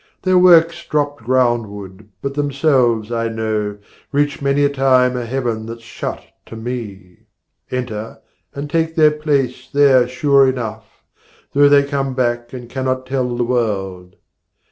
Their works drop groundward, but themselves, I know, Reach many a time a heaven that's shut to me, Enter and take their place there sure enough, Though they come back and cannot tell the world.